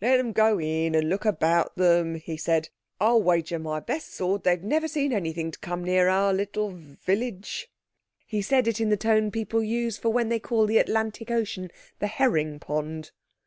"Let them go in and look about them," he said. "I'll wager my best sword they've never seen anything to come near our little—village." He said it in the tone people use for when they call the Atlantic Ocean the "herring pond".